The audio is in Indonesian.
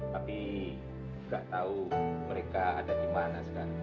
tapi gak tau mereka ada dimana sekarang